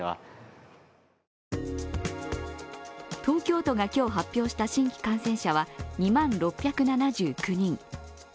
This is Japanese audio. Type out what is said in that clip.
東京都が今日発表した新規感染者は２万６７９人。